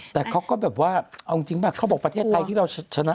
แต่เขาก็แบบว่าเอาจริงป่ะเขาบอกประเทศไทยที่เราชนะ